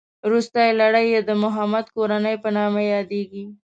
روستۍ لړۍ یې د محمد کورنۍ په نامه یادېږي.